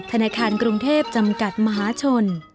ธนาคารกรุงเทพจำกัดมหาชน